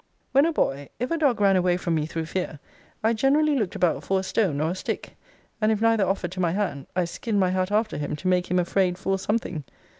When a boy, if a dog ran away from me through fear, I generally looked about for a stone, or a stick; and if neither offered to my hand, I skinned my hat after him to make him afraid for something.